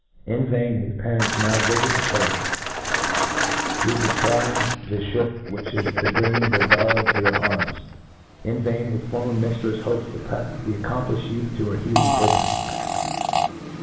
' In vain his parents ^now vifit the coa(f , to defcry the fhip which is to bring their darling, to their arms ! In vain hfs former miftrefs hopes to preft the accomplifhed youth to her heaving bofom